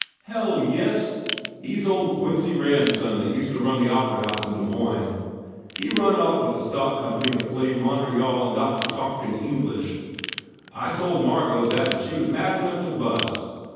"He ell, yes! He s old Quincy Rand s son that used to run the Opera House in Des Moines. He run off with a stock comp ny that played Mon treal and got to talkin English. I told Margot that and she was mad enough to bust.